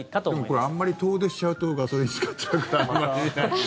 でもあまり遠出しちゃうとガソリン使っちゃうから。